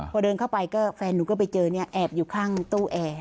พอเดินเข้าไปก็แฟนหนูก็ไปเจอเนี่ยแอบอยู่ข้างตู้แอร์